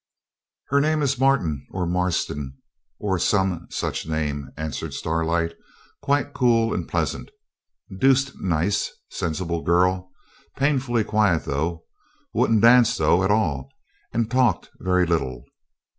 'Her name is Martin, or Marston, or some such name,' answered Starlight, quite cool and pleasant. 'Deuced nice, sensible girl, painfully quiet, though. Wouldn't dance, though, at all, and talked very little.'